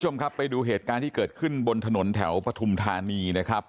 คุณผู้ชมครับไปดูเหตุการณ์ที่เกิดขึ้นบนถนนแถวปฐุมธานีนะครับ